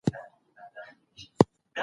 اقتصاد پوهان وایي چې راکده پانګه خطرناکه ده.